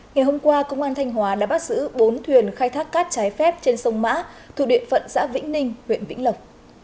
ngày hôm qua công an thanh hóa đã bắt giữ bốn thuyền khai thác cát trái phép trên sông mã thuộc địa phận xã vĩnh ninh huyện vĩnh lộc